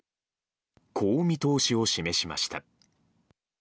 こう見通しを示しました。